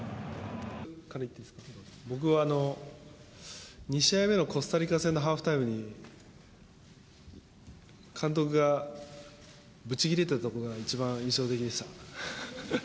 僕は、２試合目のコスタリカ戦のハーフタイムに、監督がぶち切れたところが一番印象的でした。